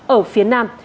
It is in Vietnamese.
ở phía nam